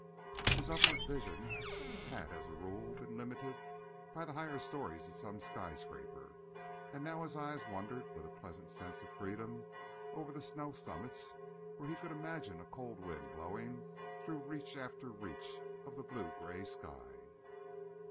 His upward vision had as a rule been limited by the higher stories of some skyscraper, and now his eye wandered with a pleasant sense of freedom over the snow summits where he could imagine a cold wind blowing through reach after reach of the blue gray sky.